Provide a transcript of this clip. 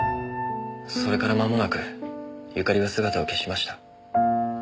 それから間もなく由香利は姿を消しました。